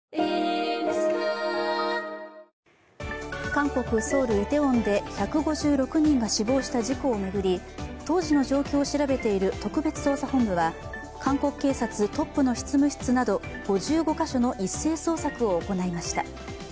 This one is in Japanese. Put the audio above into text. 韓国ソウル・イテウォンで１５６人が死亡した事故を巡り当時の状況を調べている特別捜査本部は韓国警察トップの執務室など５５か所の一斉捜索を行いました。